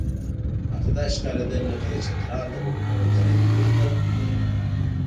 ماته داسې ښکارېدل لکه د چترال له غرونو دره نور ته ګورم.